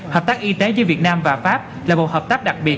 hợp tác y tế giữa việt nam và pháp là một hợp tác đặc biệt